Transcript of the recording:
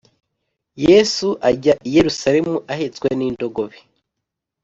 Yesu ajya i Yerusalemu ahetswe n indogobe